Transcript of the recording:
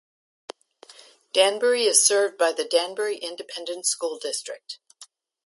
Danbury is served by the Danbury Independent School District.